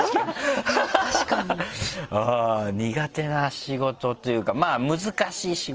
苦手な仕事というかまぁ難しい仕事だよね。